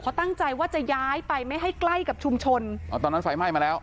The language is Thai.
เขาตั้งใจว่าจะย้ายไปไม่ให้ใกล้กับชุมชนอ๋อตอนนั้นไฟไหม้มาแล้ว